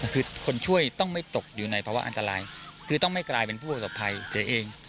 คือคนช่วยต้องไม่ตกอยู่ในภาวะอันตรายคือต้องไม่กลายเป็นผู้ประสบภัยเสียเอง